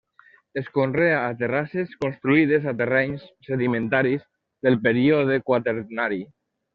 Es conrea a terrasses construïdes a terrenys sedimentaris del Període Quaternari.